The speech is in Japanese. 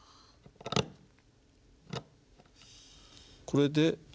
これで。